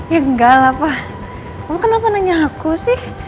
ya enggak lah pak mama kenapa nanya aku sih